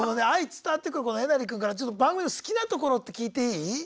伝わってくるこのえなり君から番組の好きなところって聞いていい？